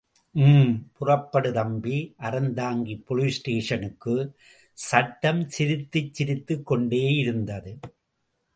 ம்... புறப்படு தம்பி, அறந்தாங்கி போலீஸ் ஸ்டேஷனுக்கு..! சட்டம் சிரித்தது சிரித்துக் கொண்டேயிருந்தது!